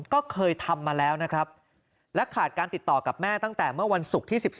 ก็เคยทำมาแล้วนะครับและขาดการติดต่อกับแม่ตั้งแต่เมื่อวันศุกร์ที่๑๒